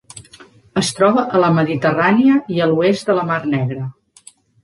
Es troba a la Mediterrània i a l'oest de la mar Negra.